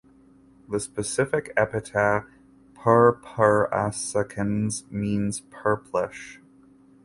The specific epithet ("purpurascens") means "purplish".